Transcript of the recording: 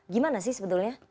gimana sih sebetulnya